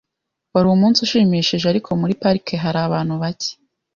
Wari umunsi ushimishije, ariko muri parike hari abantu bake.